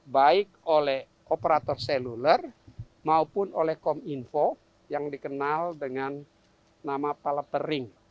baik oleh operator seluler maupun oleh kominfo yang dikenal dengan nama palapering